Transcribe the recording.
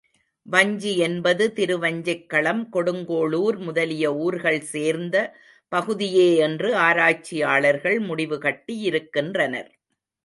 வஞ்சி என்பது, திருவஞ்சைக்களம் கொடுங்கோளூர் முதலிய ஊர்கள் சேர்ந்த பகுதியே என்று ஆராய்ச்சியாளர்கள் முடிவு கட்டியிருக்கின்றனர்.